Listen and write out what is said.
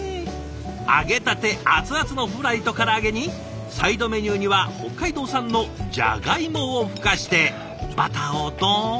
揚げたて熱々のフライと唐揚げにサイドメニューには北海道産のジャガイモをふかしてバターをドーン。